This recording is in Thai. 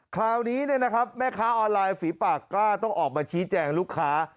คราวนี้แม่ค้าออนไลน์ฝีปากกล้าต้องออกมาชี้แจงลูกค้า